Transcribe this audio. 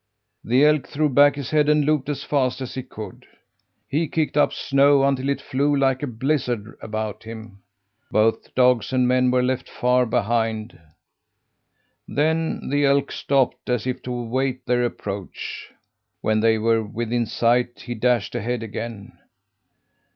"The elk threw back his head and loped as fast as he could. He kicked up snow until it flew like a blizzard about him. Both dogs and men were left far behind. Then the elk stopped, as if to await their approach. When they were within sight he dashed ahead again.